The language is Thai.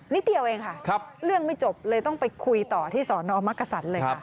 เดียวเองค่ะเรื่องไม่จบเลยต้องไปคุยต่อที่สอนอมักกษันเลยค่ะ